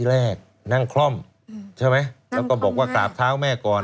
แรกนั่งคล่อมใช่ไหมแล้วก็บอกว่ากราบเท้าแม่ก่อน